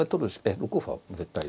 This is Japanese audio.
６五歩は絶対で。